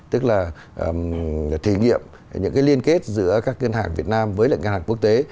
tức là thể nghiệm những cái liên kết giữa các ngân hàng việt nam với lại ngân hàng quốc tế